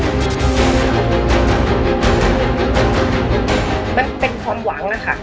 มันเป็นความหวังนะคะ